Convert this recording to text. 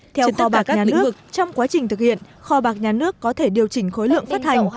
theo kho bạc nhà nước trong quá trình thực hiện kho bạc nhà nước có thể điều chỉnh khối lượng phát hành